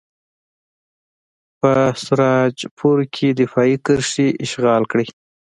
په سراج پور کې دفاعي کرښې اشغال کړئ.